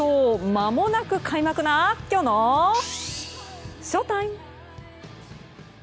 まもなく開幕なきょうのＳＨＯＴＩＭＥ。